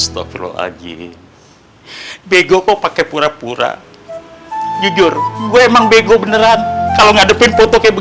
bego kok pakai pura pura jujur gue emang bego beneran kalau ngadepin foto kayak